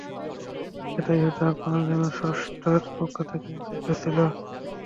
এটাই হয়তো আপনার জন্য স্রষ্টার পক্ষ থেকে নির্ধারিত ছিল।